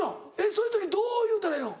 そういう時どう言うたらええの？